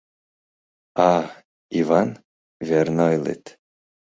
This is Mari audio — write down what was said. — А, Иван, верно ойлет.